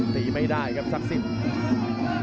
ตีไม่ได้ครับศักดิ์สิทธิ์